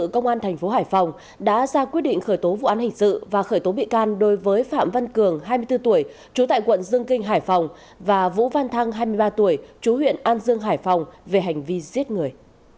chú huyện an dương hải phòng về hành vi giết người